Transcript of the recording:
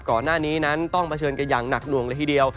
ก่อนหน้านี้นั้นต้องเผชิญกันอย่างหนักหน่วงเลยทีเดียว